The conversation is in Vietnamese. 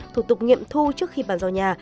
thủ tục nghiệm thu trước khi bàn giao nhà